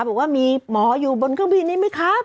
บอกว่ามีหมออยู่บนเครื่องบินนี้ไหมครับ